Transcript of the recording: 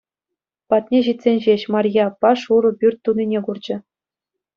Патне ҫитсен ҫеҫ Марье аппа шурӑ пӳрт тунине курчӗ.